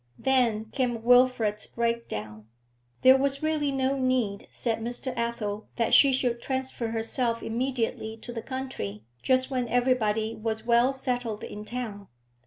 Then came Wilfrid's break down. There was really no need, said Mr. Athel, that she should transfer herself immediately to the country, just when everybody was well settled in town.